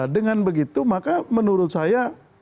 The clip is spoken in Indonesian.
dengan begitu maka menurut saya